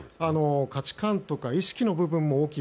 価値観とか意識の部分も大きい。